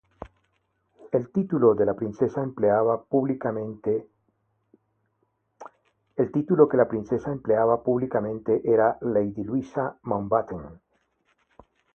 El título que la princesa empleaba públicamente era Lady Luisa Mountbatten.